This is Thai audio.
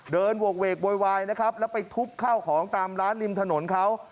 โหกเวกโวยวายนะครับแล้วไปทุบข้าวของตามร้านริมถนนเขา